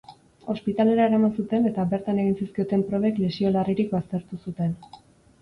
Ospitalera eraman zuten eta bertan egin zizkioten probek lesio larririk baztertu zuten.